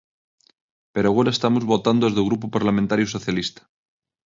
Pero agora estamos votando as do Grupo Parlamentario Socialista.